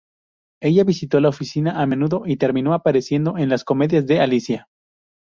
Ella visitó la oficina a menudo y terminó apareciendo en las comedias de Alicia.